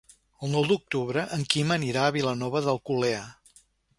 El nou d'octubre en Quim anirà a Vilanova d'Alcolea.